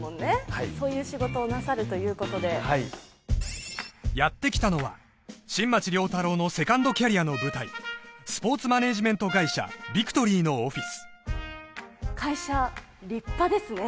はいそういう仕事をなさるということでやってきたのは新町亮太郎のセカンドキャリアの舞台スポーツマネージメント会社ビクトリーのオフィス会社立派ですね